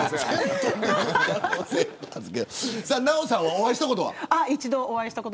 ナヲさんは、お会いしたことは。